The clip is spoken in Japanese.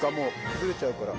崩れちゃうから。